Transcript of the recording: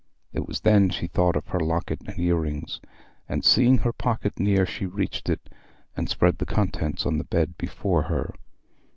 It was then she thought of her locket and ear rings, and seeing her pocket lie near, she reached it and spread the contents on the bed before her.